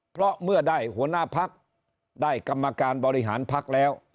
เพราะเมื่อได้หัวหน้าพักได้กรรมการบริหารพักแล้ว